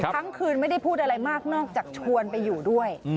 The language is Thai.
ทั้งคืนไม่ได้พูดอะไรมากนอกจากชวนไปอยู่ด้วย